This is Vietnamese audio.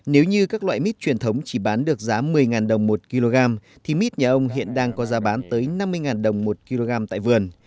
nếu như các loại mít truyền thống chỉ bán được giá một mươi đồng một kg thì mít nhà ông hiện đang có giá bán tới năm mươi đồng một kg tại vườn